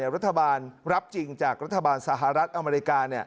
รัฐบาลรับจริงจากรัฐบาลสหรัฐอเมริกา